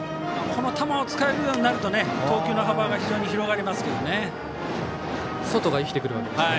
この球を使えるようになると投球の幅が非常に広がりますね。